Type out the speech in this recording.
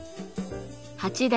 八代